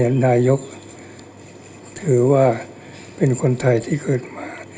นายกถือว่าเป็นคนไทยที่เกิดมา